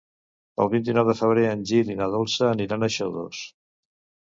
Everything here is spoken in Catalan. El vint-i-nou de febrer en Gil i na Dolça aniran a Xodos.